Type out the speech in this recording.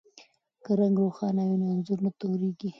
که رنګ روښانه وي نو انځور نه توریږي.